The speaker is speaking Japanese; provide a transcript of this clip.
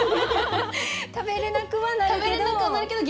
食べれなくはなるけど。